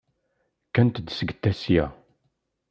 Kkant-d seg Tasya.